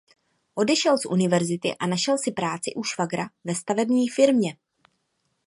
Odešel z univerzity a našel si práci u švagra ve stavební firmě.